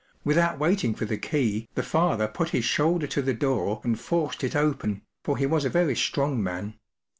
Without waiting for the key, the father put his shoulder to the door and forced it open, for he was a very strong man.